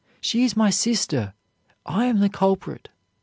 She is my sister. I am the culprit.